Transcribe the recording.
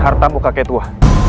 harta mu kakek tua